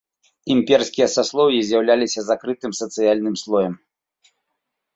Імперскія саслоўі з'яўляліся закрытым сацыяльным слоем.